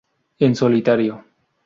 En solitario.